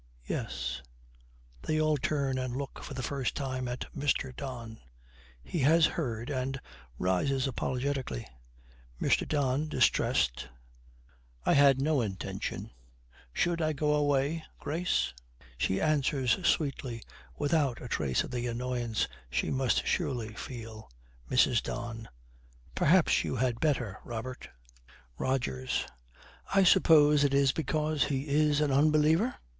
Yes.' They all turn and look for the first time at Mr. Don. He has heard, and rises apologetically. MR. DON, distressed, 'I had no intention Should I go away, Grace?' She answers sweetly without a trace of the annoyance she must surely feel. MRS. DON. 'Perhaps you had better, Robert.' ROGERS. 'I suppose it is because he is an unbeliever?